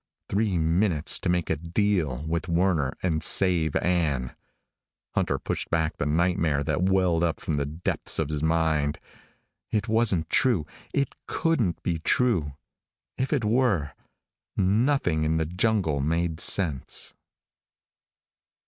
Three minutes to make a deal with Werner and save Ann. Hunter pushed back the nightmare that welled up from the depths of his mind. It wasn't true; it couldn't be true. If it were, nothing in the jungle made sense.